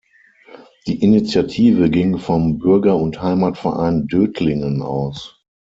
Die Initiative ging vom Bürger- und Heimatverein Dötlingen aus.